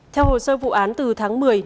theo hồ sơ vụ án từ tháng một mươi